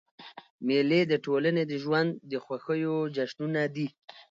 مېلې د ټولني د ژوند د خوښیو جشنونه دي.